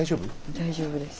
大丈夫です。